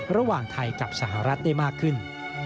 ระหว่างไทยกับสหรัฐได้มากขึ้น